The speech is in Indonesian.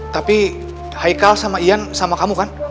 tapi haikal sama ian sama kamu kan